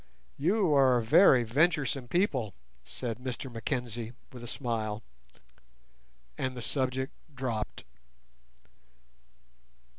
"You are very venturesome people," said Mr Mackenzie, with a smile, and the subject dropped.